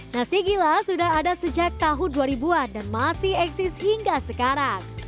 nasi gila sudah ada sejak tahun dua ribu an dan masih eksis hingga sekarang